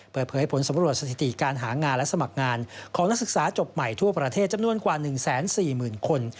เปิดเผยผลสำรวจสถิติการหางานและสมัครงานของนักศึกษาจบใหม่ทั่วประเทศจำนวนกว่า๑๔๐๐๐คน